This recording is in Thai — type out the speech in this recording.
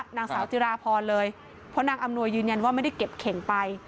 นางสาวจิราพรเลยเพราะนางอำนวยยืนยันว่าไม่ได้เก็บเข่งไป